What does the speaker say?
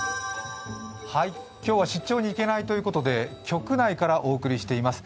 今日は出張に行けないということで局内からお送りしています。